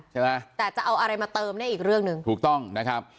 ใช่ไหมแต่จะเอาอะไรมาเติมเนี่ยอีกเรื่องหนึ่งถูกต้องนะครับ